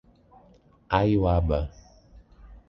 Aiuaba